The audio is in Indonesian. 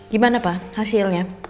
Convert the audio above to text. gimana pak hasilnya